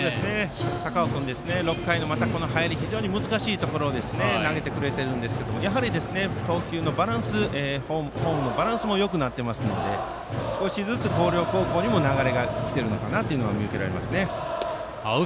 高尾君、６回の入り表情に難しいところを投げてくれているんですがやはり投球のバランスフォームのバランスもよくなっていますので少しずつ広陵高校にも流れが来ているように見受けられますね。